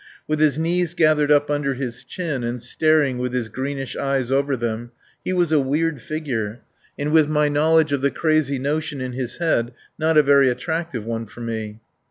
With his knees gathered up under his chin and staring with his greenish eyes over them, he was a weird figure, and with my knowledge of the crazy notion in his head, not a very attractive one for me.